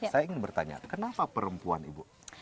saya ingin bertanya kenapa perempuan ibu